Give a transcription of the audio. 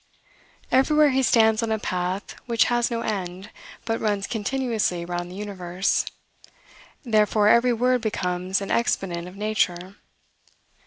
Everywhere he stands on a path which has no end, but runs continuously round the universe. Therefore, every word becomes an exponent of nature.